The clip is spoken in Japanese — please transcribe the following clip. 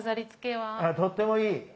あっとってもいい。